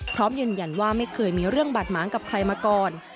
พร้อมยืนยันว่าไม่เคยมีเรื่องบาดหมางกับใครมาก่อน